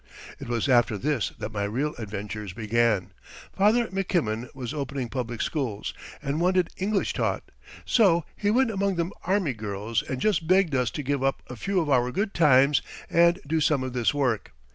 "It was after this that my real adventures began. Father McKimmon was opening public schools, and wanted English taught. So he went among the army girls and just begged us to give up a few of our good times and do some of this work.